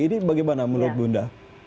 ini bagaimana menurut bunda